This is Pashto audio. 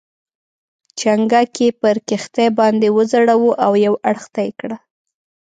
چنګک یې پر کښتۍ باندې وځړاوه او یو اړخ ته یې کړ.